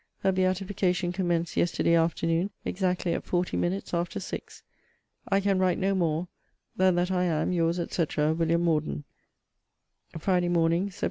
Her beatification commenced yesterday afternoon, exactly at forty minutes after six. I can write no more, than that I am Your's, &c. WM. MORDEN. FRIDAY MORN. SEPT.